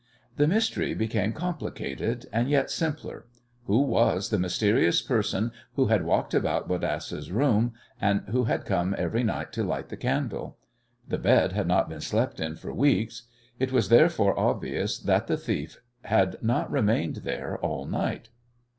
The mystery became complicated, and yet simpler. Who was the mysterious person who had walked about Bodasse's room, and who had come every night to light the candle? The bed had not been slept in for weeks. It was, therefore, obvious that the thief had not remained there all night.